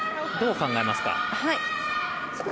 どう考えますか？